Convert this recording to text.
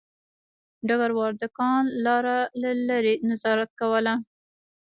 ډګروال د کان لاره له لیرې نظارت کوله